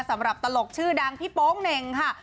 สำหรับตลกชื่อดังพี่โป้งแหน่งค่ะ